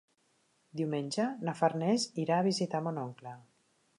Diumenge na Farners irà a visitar mon oncle.